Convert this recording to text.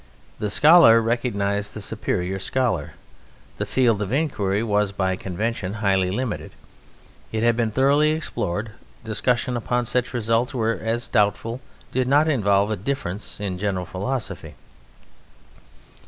The scholar recognized the superior scholar; the field of inquiry was by convention highly limited; it had been thoroughly explored; discussion upon such results as were doubtful did not involve a difference in general philosophy.